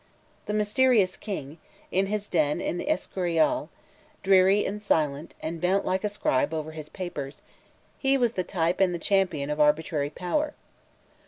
The mysterious King, in his den in the Escorial, dreary and silent, and bent like a scribe over his papers, was the type and the champion of arbitrary power.